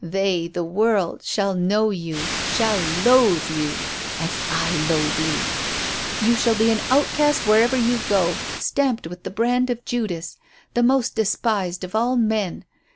They the world shall know you; shall loathe you as I loathe you. You shall be an outcast wherever you go, stamped with the brand of Judas the most despised of all men.